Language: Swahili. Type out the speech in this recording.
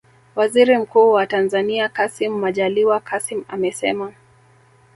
Waziri Mkuu wa Tanzania Kassim Majaliwa Kassim amesema